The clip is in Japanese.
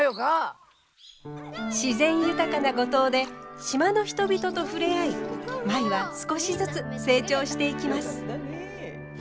自然豊かな五島で島の人々と触れ合い舞は少しずつ成長していきます。